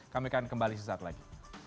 kami akan kembali sesaat lagi